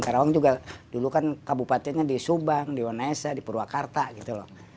karawang juga dulu kan kabupatennya di subang di wanaesa di purwakarta gitu loh